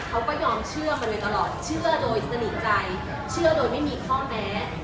เขาก็ยอมเชื่อมาโดยตลอดเชื่อโดยสนิทใจเชื่อโดยไม่มีข้อแม้